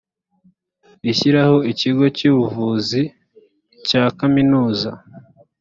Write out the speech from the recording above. rishyiraho ikigo cy ubuvuzi cya kaminuza